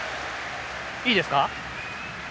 いいですか？